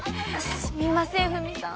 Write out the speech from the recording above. すみません富美さん。